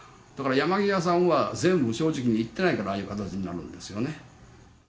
山際さんは全部正直に言ってないから、ああいう形になるんですよ